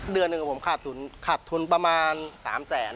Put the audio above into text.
เดือนหนึ่งขาดทุนประมาณ๓๐๐๐๐๐บาท